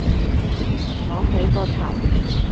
我起個頭